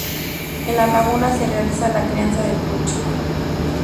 En la laguna se realiza la crianza de trucha.